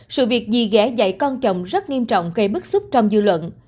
sự việc dì ghé dạy con chồng rất nghiêm trọng gây bức xúc trong dư luận